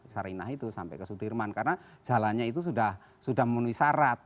sarinah itu sampai ke sudirman karena jalannya itu sudah memenuhi syarat